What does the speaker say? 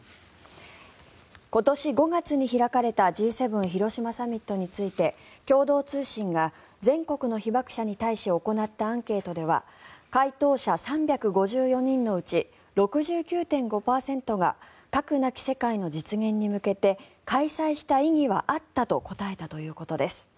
今年５月に開かれたＧ７広島サミットについて共同通信が全国の被爆者に対し行ったアンケートでは回答者３５４人のうち６９．５％が核なき世界の実現に向けて開催した意義はあったと答えたということです。